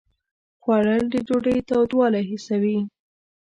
خوړل د ډوډۍ تودوالی حسوي